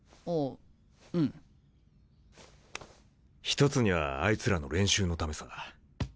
一つにはあいつらの練習のためさ。